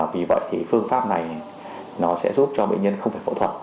vì vậy thì phương pháp này nó sẽ giúp cho bệnh nhân không phải phẫu thuật